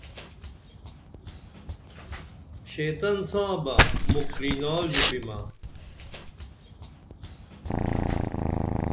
شیطن ساں بہ مُکھ کرینال ژوپیمہ